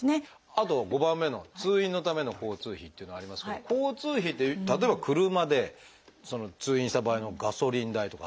あと５番目の「通院のための交通費」っていうのがありますけど交通費って例えば車で通院した場合のガソリン代とか。